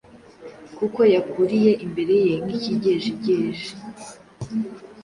Kuko yakuriye imbere ye nk’ikigejigeji,